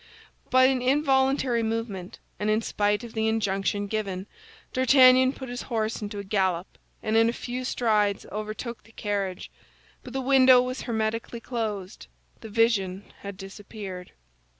By an involuntary movement and in spite of the injunction given, D'Artagnan put his horse into a gallop, and in a few strides overtook the carriage; but the window was hermetically closed, the vision had disappeared.